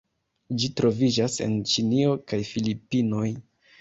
Ĝi troviĝas en Ĉinio kaj Filipinoj.